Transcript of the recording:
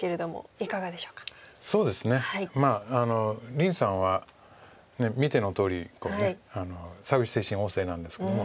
林さんは見てのとおりサービス精神旺盛なんですけども。